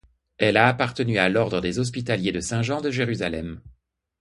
Elle a appartenu à l'ordre des Hospitaliers de Saint-Jean de Jérusalem.